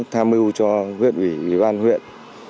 tham mưu cho huyện ủy huyện